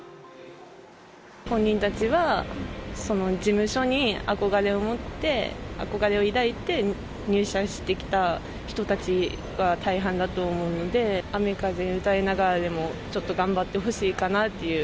本人たちは事務所に憧れを持って、憧れを抱いて、入社してきた人たちが大半だと思うので、雨風に打たれながらでも、ちょっと頑張ってほしいかなっていう。